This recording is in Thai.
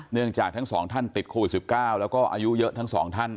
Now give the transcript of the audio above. เนื่องจากทั้งสองท่านติดโควิด๑๙แล้วก็อายุเยอะทั้งสองท่าน